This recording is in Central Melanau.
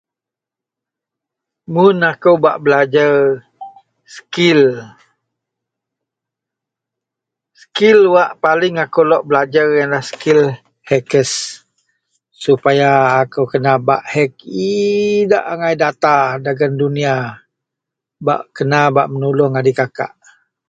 Mun akou bak belajer sekil, sekil wak paling akou lok akou belajer yenlah hacker. Supaya akou kena hack idak angai data dagen dunia supaya kena bak menuluong adikakak